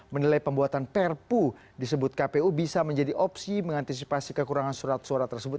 menilai pembuatan perpu disebut kpu bisa menjadi opsi mengantisipasi kekurangan surat suara tersebut